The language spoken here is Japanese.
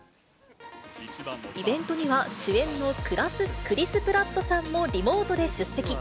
イベントには、主演のクリス・プラットさんもリモートで出席。